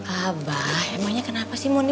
abah emangnya kenapa sih mondi